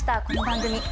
この番組。